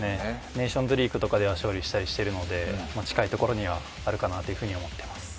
ネーションズリーグとかでは勝利していたりするので近いところにはあるかなと思っています。